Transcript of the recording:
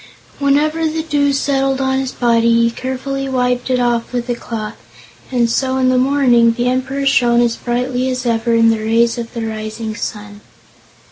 Whenever the dew settled on his body he carefully wiped it off with a cloth, and so in the morning the Emperor shone as brightly as ever in the rays of the rising sun.